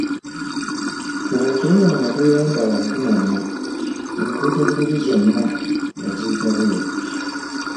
Fuba okulaba nga toyambala nkunamyo, enkuutabuliri zonna nga ziyita bweru.